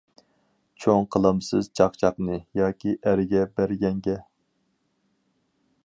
چوڭ قىلامسىز چاقچاقنى، ياكى ئەرگە بەرگەنگە.